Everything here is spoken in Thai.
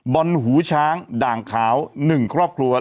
อนหูช้างด่างขาว๑ครอบครัว